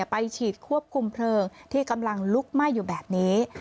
ไปฉีดควบคุมเพลิงที่กำลังลุกไหม้อยู่แบบนี้